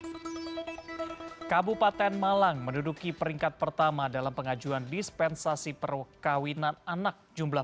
hai kabupaten malang menduduki peringkat pertama dalam pengajuan dispensasi perkawinan anak jumlah